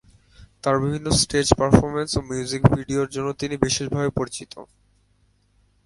তার বিভিন্ন stage performance ও মিউজিক ভিডিওর জন্য তিনি বিশেষভাবে পরিচিত।